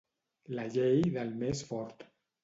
La llei del més fort.